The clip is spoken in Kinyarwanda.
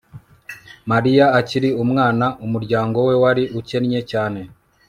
Mariya akiri umwana umuryango we wari ukennye cyane